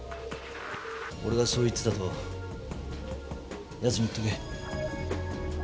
俺がそう言ってたとヤツに言っとけ。